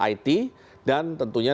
it dan tentunya